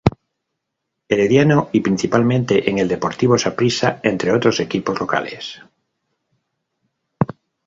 Herediano y principalmente en el Deportivo Saprissa, entre otros equipos locales.